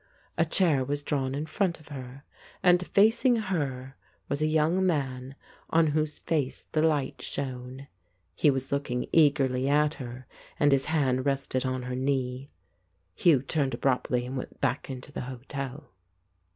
A chair was drawn in front of her, and facing her was a young man, on whose face the light shone. He was looking eagerly at her, and his hand rested on her knee. Hugh turned abruptly and went back into the hotel.